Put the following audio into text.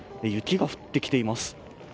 雪が降ってきています。